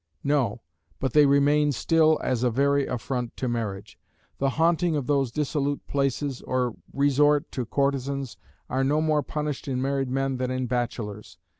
No, but they remain still as a very affront to marriage. The haunting of those dissolute places, or resort to courtesans, are no more punished in married men than in bachelors.